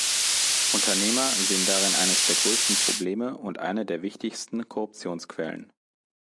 Unternehmer sehen darin eines der größten Probleme und eine der wichtigsten Korruptionsquellen.